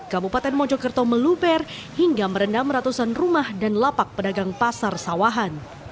kabupaten mojokerto meluper hingga merendam ratusan rumah dan lapak pedagang pasar sawahan